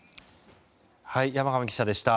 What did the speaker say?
山上記者でした。